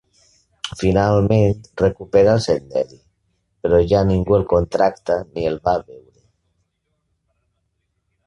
Finalment recupera el senderi, però ja ningú el contracta ni el va a veure.